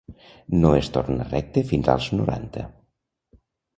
No es torna recte fins als noranta.